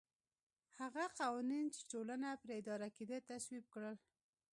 هغه قوانین چې ټولنه پرې اداره کېده تصویب کړل